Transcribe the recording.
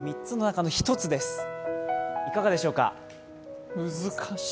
この中の３つの中の１つです、いかがでしょうか？